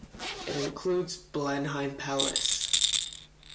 It includes Blenheim Palace.